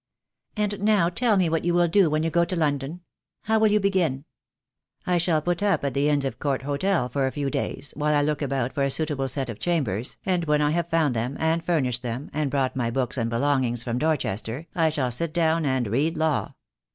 And now tell me what you will do when you go to Lon don. How will you begin?" "I shall put up at the Inns of Court Hotel for a few days while I look about for a suitable set of chambers, and when I have found them and furnished them, and brought my books and belongings from Dorchester, I shall sit down and read law.